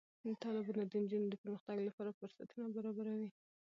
تالابونه د نجونو د پرمختګ لپاره فرصتونه برابروي.